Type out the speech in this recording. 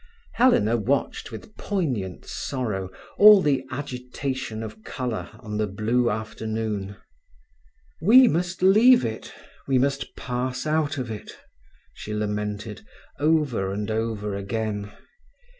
Helena watched with poignant sorrow all the agitation of colour on the blue afternoon. "We must leave it; we must pass out of it," she lamented, over and over again.